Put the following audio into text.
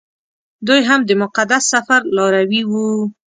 دوی هم د مقدس سفر لاروي وو.